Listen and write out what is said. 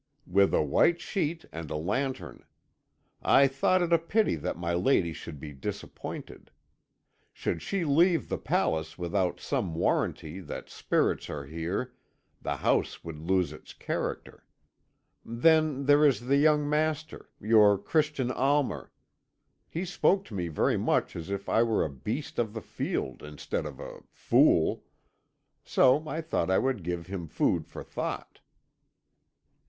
"With a white sheet and a lantern. I thought it a pity that my lady should be disappointed. Should she leave the place without some warranty that spirits are here, the house would lose its character. Then there is the young master, your Christian Almer. He spoke to me very much as if I were a beast of the field instead of a fool. So I thought I would give him food for thought."